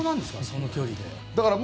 その距離で。